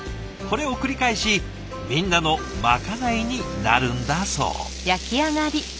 これを繰り返しみんなのまかないになるんだそう。